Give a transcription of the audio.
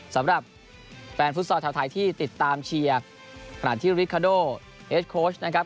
สำหรับแฟนฟุตซอลชาวไทยที่ติดตามเชียร์ขณะที่ริคาโดเอสโค้ชนะครับ